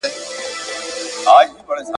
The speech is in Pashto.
كه دامونه د شيطان وي او كه نه وي `